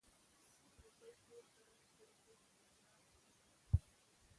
سل روپی پور کړه خپل زوی په بازار لوی کړه .